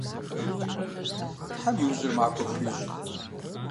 Тхьэм и ужьыр махуэ фхуищӏ.